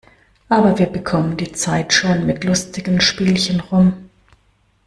Aber wir bekommen die Zeit schon mit lustigen Spielchen rum.